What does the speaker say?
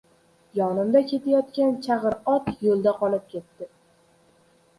Yonimda kelayotgan Chag‘ir ot yo‘lda qolib ketdi.